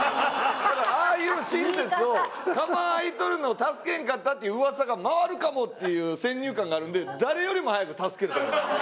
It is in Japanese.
だからああいう親切をカバン開いとるのを助けんかったっていう噂が回るかもっていう先入観があるんで誰よりも早く助けると思います。